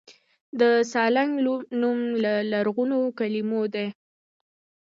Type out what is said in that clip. د سالنګ نوم له لرغونو کلمو دی